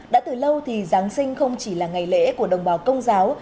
đã từ lâu thì giáng sinh không chỉ là ngày lễ của đồng bào công giáo